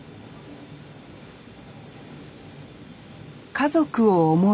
家族を思い